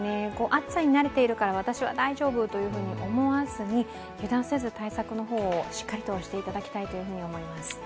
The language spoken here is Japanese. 暑さに慣れているから私は大丈夫というふうに思わずに、油断せずに対策の方をしっかりとしていただきたいと思います。